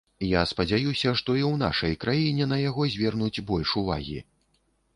Я спадзяюся, што і ў нашай краіне на яго звернуць больш увагі.